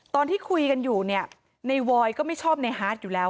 ตอนที่คุยกันอยู่เนี่ยในวอยก็ไม่ชอบในฮาร์ดอยู่แล้ว